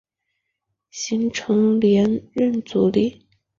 形成连任阻力。